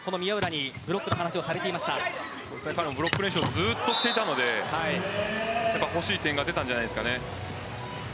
彼、ブロック練習をずっとしていたので欲しい１点が出たんじゃないですかね。